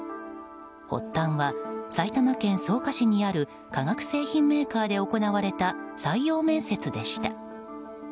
発端は埼玉県草加市にある化学製品メーカーで行われた採用面接でした。